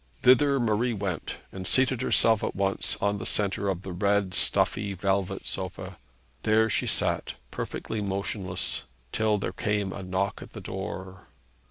Thither Marie went, and seated herself at once on the centre of the red, stuffy, velvet sofa. There she sat, perfectly motionless, till there came a knock at the door.